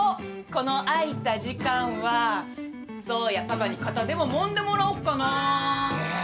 この空いた時間は、そうや、パパに肩でももんでもらおうかなー。